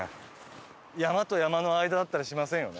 山と山の間だったりしませんよね？